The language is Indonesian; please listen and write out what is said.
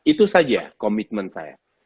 itu saja komitmen saya